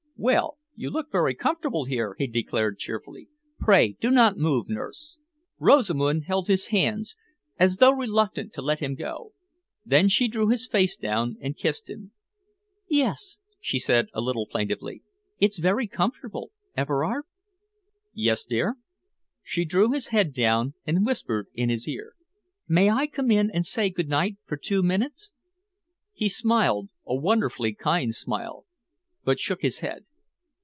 "Well, you look very comfortable here," he declared cheerfully. "Pray do not move, nurse." Rosamund held his hands, as though reluctant to let him go. Then she drew his face down and kissed him. "Yes," she said a little plaintively, "it's very comfortable. Everard?" "Yes, dear?" She drew his head down and whispered in his ear. "May I come in and say good night for two minutes?" He smiled a wonderfully kind smile but shook his head.